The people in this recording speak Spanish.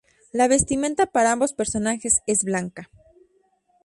La vestimenta para ambos personajes es blanca.